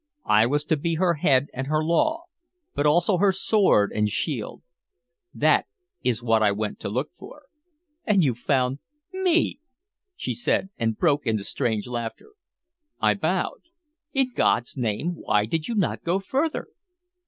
I was to be her head and her law, but also her sword and shield. That is what I went to look for." "And you found me!" she said, and broke into strange laughter. I bowed. "In God's name, why did you not go further?"